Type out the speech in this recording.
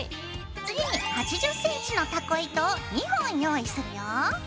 次に８０ｃｍのたこ糸を２本用意するよ。